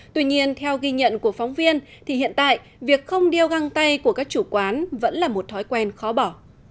tuy nhiên theo ghi nhận của phóng viên thì hiện tại việc không đeo găng tay của các chủ quán vẫn là một thói quen khó bỏ